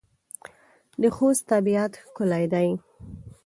د خوست طبيعت ښکلی دی.